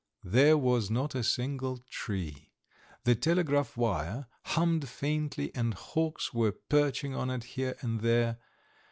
There was not a single tree. The telegraph wire hummed faintly and hawks were perching on it here and there.